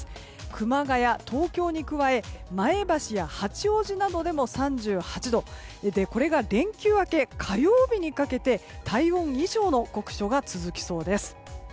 熊谷、東京に加え前橋や八王子などでも３８度これが連休明け火曜日にかけて体温以上の酷暑が続きそうです。